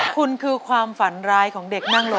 คุณคือความฝันร้ายของเด็กนั่งรถ